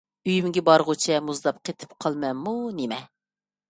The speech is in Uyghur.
ئۆيۈمگە بارغۇچە مۇزلاپ قېتىپ قالىمەنمۇ نېمە؟